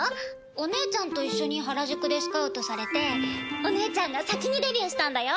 お姉ちゃんと一緒に原宿でスカウトされてお姉ちゃんが先にデビューしたんだよ。